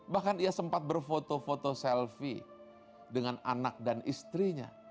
bahkan ia sempat berfoto foto selfie dengan anak dan istrinya